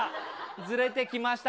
ずれてきました。